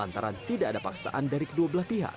lantaran tidak ada paksaan dari kedua belah pihak